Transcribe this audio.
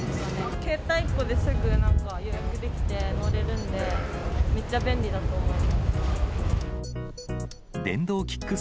携帯１個ですぐ予約できて、乗れるんで、めっちゃ便利だと思います。